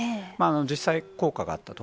実際、効果があったと。